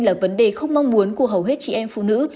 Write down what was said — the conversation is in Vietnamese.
là vấn đề không mong muốn của hầu hết chị em phụ nữ